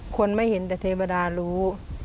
คนไม่เห็นแต่เทวดารู้